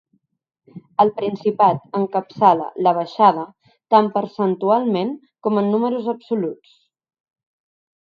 El Principat encapçala la baixada tant percentualment com en números absoluts.